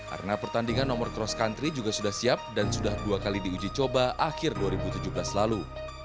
arena pertandingan nomor cross country juga sudah siap dan sudah dua kali diuji coba akhir dua ribu tujuh belas lalu